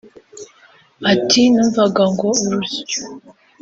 Ati “Numvaga ngo urusyo